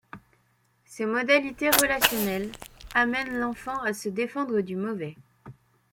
Ces modalités relationnelles, amènent l'enfant à se défendre du mauvais.